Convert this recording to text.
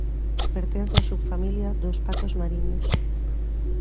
Pertence á subfamilia dos patos mariños.